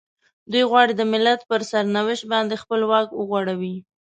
دوی غواړي د ملت پر سرنوشت باندې خپل واک وغوړوي.